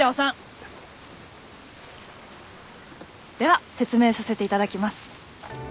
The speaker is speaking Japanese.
では説明させて頂きます。